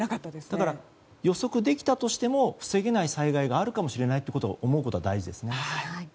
だから予測できたとしても防げない災害があるかもしれないことを思うことは大事ですね。